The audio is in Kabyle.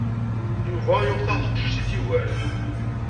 Yuba yuɣ taqcict i t-yugaren.